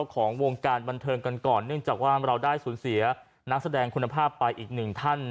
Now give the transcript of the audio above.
ของวงการบันเทิงกันก่อนเนื่องจากว่าเราได้สูญเสียนักแสดงคุณภาพไปอีกหนึ่งท่าน